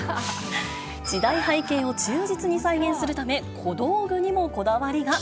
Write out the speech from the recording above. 時代背景を忠実に再現するため、小道具にもこだわりが。